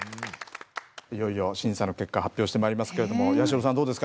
いよいよ審査の結果発表してまいりますけれども八代さんどうですか？